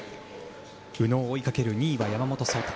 宇野を追いかける２位の山本草太。